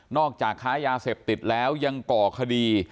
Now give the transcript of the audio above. จากค้ายาเสพติดแล้วยังก่อคดี